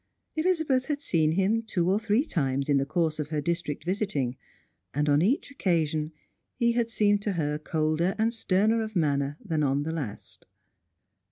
EHzabeth had seen him two or three times in the course of her district visiting, and on each occasion he had seemed to her colder and sterner of manner than on the last.